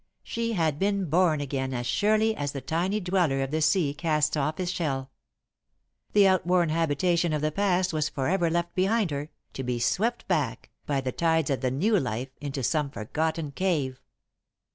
She had been born again as surely as the tiny dweller of the sea casts off his shell. The outworn habitation of the past was forever left behind her, to be swept back, by the tides of the new life, into some forgotten cave.